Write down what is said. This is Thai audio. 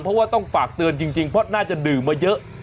เพราะว่าต้องฝากเตือนจริงเพราะน่าจะดื่มมาเยอะ